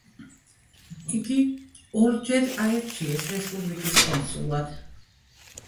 იგი ორჯერ აირჩიეს რესპუბლიკის კონსულად.